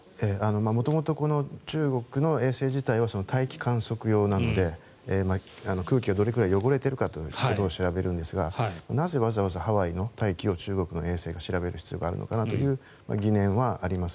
元々、中国の衛星自体は大気観測用なので空気がどれぐらい汚れているかということを調べるんですがなぜ、わざわざハワイの大気を中国の衛星が調べる必要があるのかなという疑念はあります。